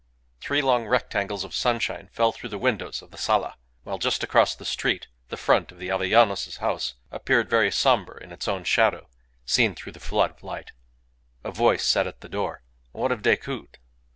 Three long rectangles of sunshine fell through the windows of the sala; while just across the street the front of the Avellanos's house appeared very sombre in its own shadow seen through the flood of light. A voice said at the door, "What of Decoud?"